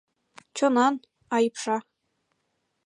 — Чонан, а ӱпша.